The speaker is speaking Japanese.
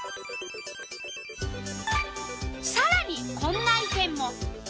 さらにこんな意見も。